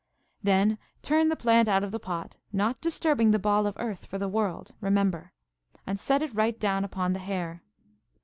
Then turn the plant out of the pot, not disturbing the ball of earth for the world, remember; and set it right down upon the hair.